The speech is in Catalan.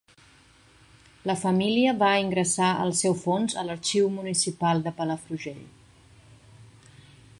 La família va ingressar el seu fons a l'Arxiu Municipal de Palafrugell.